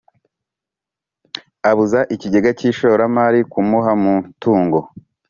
abuza ikigega cy ishoramari kumuha mutungo